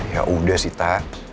yaudah sih ta